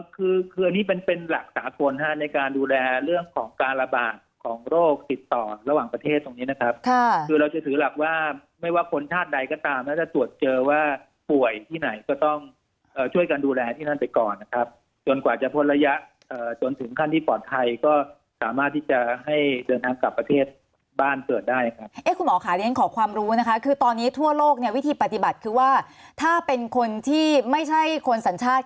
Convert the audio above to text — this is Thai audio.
คืออันนี้เป็นหลักสาธารณ์ในการดูแลเรื่องของการระบาดของโรคติดต่อระหว่างประเทศตรงนี้นะครับคือเราจะถือหลักว่าไม่ว่าคนชาติใดก็ตามแล้วถ้าตรวจเจอว่าป่วยที่ไหนก็ต้องช่วยการดูแลที่นั้นไปก่อนนะครับจนกว่าจะพ้นระยะจนถึงขั้นที่ปลอดภัยก็สามารถที่จะให้เดินทางกลับประเทศบ้านเกิดได้ค่ะ